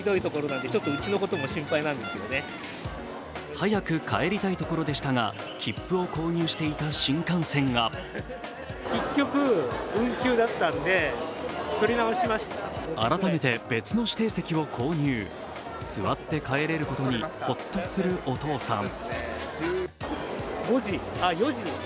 早く帰りたいところでしたが、切符を購入していた新幹線が改めて別の指定席を購入座って帰れることにほっとするお父さん。